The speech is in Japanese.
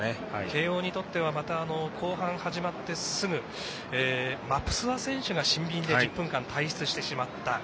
慶応にとっては後半始まってすぐマプスア選手がシンビンで１０分間退場してしまった。